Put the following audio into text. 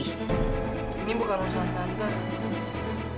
ini bukan urusan tante